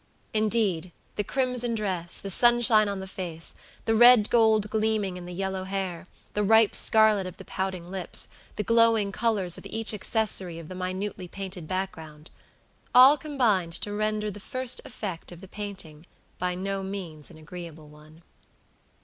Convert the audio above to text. Indeed the crimson dress, the sunshine on the face, the red gold gleaming in the yellow hair, the ripe scarlet of the pouting lips, the glowing colors of each accessory of the minutely painted background, all combined to render the first effect of the painting by no means an agreeable one.